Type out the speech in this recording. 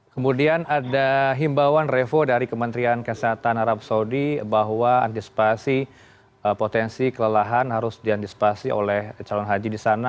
kemudian ada himbauan revo dari kementerian kesehatan arab saudi bahwa antisipasi potensi kelelahan harus diantisipasi oleh calon haji di sana